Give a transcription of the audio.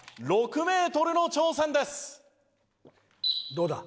どうだ？